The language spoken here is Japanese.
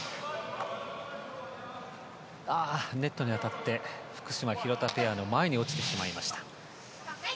ネットに当たって福島、廣田ペアの前に落ちてしまいました。